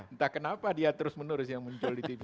entah kenapa dia terus menerus yang muncul di tv